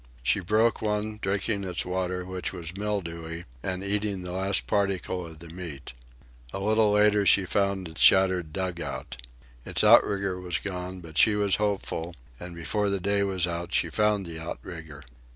She broke one, drinking its water, which was mildewy, and eating the last particle of the meat. A little later she found a shattered dugout. Its outrigger was gone, but she was hopeful, and, before the day was out, she found the outrigger.